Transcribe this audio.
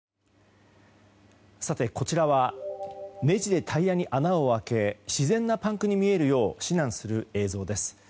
こちらはねじでタイヤに穴を開け自然なパンクに見えるよう指南する映像です。